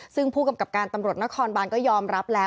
ซึ่งผู้กำกับการตำรวจนครบานก็ยอมรับแล้ว